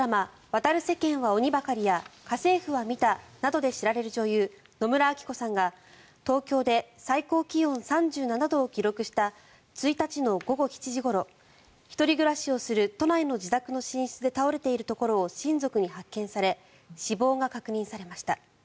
「渡る世間は鬼ばかり」や「家政婦は見た！」などで知られる女優、野村昭子さんが東京で最高気温３７度を記録した１日の午後７時ごろ１人暮らしをする都内の自宅の寝室で倒れているところを親族に発見され死亡が確認されました。